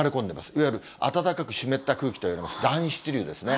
いわゆる暖かく湿った空気といわれます、暖湿流ですね。